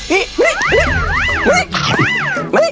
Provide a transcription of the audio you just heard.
อืมอร่อย